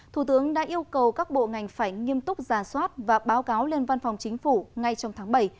thủ tướng đã yêu cầu các bộ ngành phải nghiêm túc giả soát và báo cáo lên văn phòng chính phủ ngay trong tháng bảy